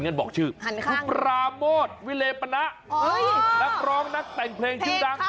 บอกชื่อคุณปราโมทวิเลปณะนักร้องนักแต่งเพลงชื่อดัง